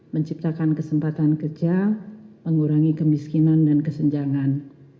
menciptakan kesempatan kerja mengurangi kemiskinan dan kesenjangan